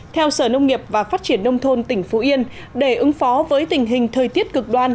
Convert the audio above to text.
theo sở nông nghiệp và phát triển nông thôn tỉnh phú yên để ứng phó với tình hình thời tiết cực đoan